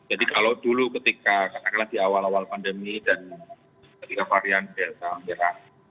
jadi kalau dulu ketika katakanlah di awal awal pandemi dan ketika varian delta merah